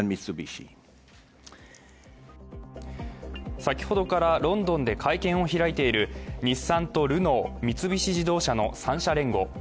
先ほどからロンドンで会見を開いている日産とルノー、三菱自動車の３社連合。